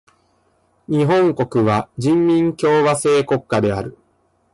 日本国は人民共和制国家である。